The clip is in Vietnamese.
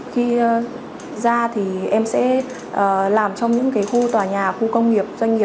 khi ra thì em sẽ làm trong những khu tòa nhà khu công nghiệp doanh nghiệp